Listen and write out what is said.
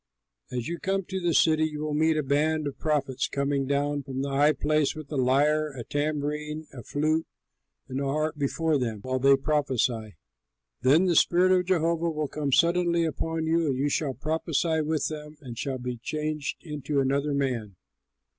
As you come to the city you will meet a band of prophets coming down from the high place with a lyre, a tambourine, a flute, and a harp before them, while they prophesy. Then the spirit of Jehovah will come suddenly upon you, and you shall prophesy with them, and shall be changed into another man.